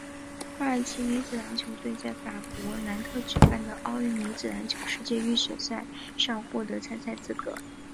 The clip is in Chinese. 土耳其女子篮球队在法国南特举办的奥运女子篮球世界预选赛上获得参赛资格。